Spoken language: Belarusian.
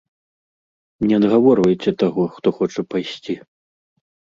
Не адгаворвайце таго, хто хоча пайсці.